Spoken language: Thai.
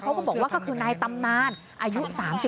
ก็บอกว่าก็คือนายตำนานอายุ๓๒